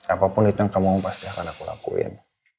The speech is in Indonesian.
apapun itu yang kamu pasti akan aku lakuin